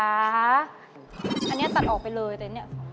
อันนี้ตัดออกไปเลยแต่เนี่ย